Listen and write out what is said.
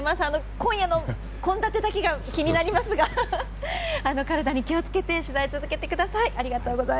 今夜の献立だけが気になりますが体に気を付けて取材を続けてください。